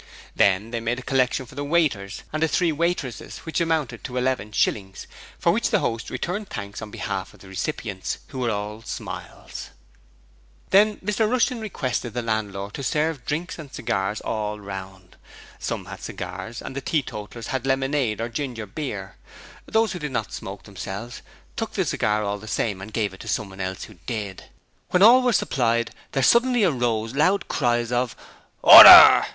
Then they made a collection for the waiters, and the three waitresses, which amounted to eleven shillings, for which the host returned thanks on behalf of the recipients, who were all smiles. Then Mr Rushton requested the landlord to serve drinks and cigars all round. Some had cigarettes and the teetotallers had lemonade or ginger beer. Those who did not smoke themselves took the cigar all the same and gave it to someone else who did. When all were supplied there suddenly arose loud cries of 'Order!'